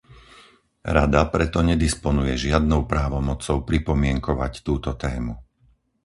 Rada preto nedisponuje žiadnou právomocou pripomienkovať túto tému.